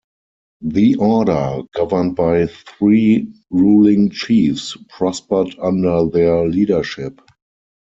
The Order, governed by three ruling Chiefs, prospered under their leadership.